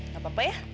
gak apa apa ya